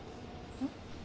うん？